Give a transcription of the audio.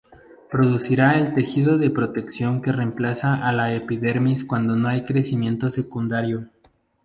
Producirá el tejido de protección que reemplaza a la epidermis cuando hay crecimiento secundario.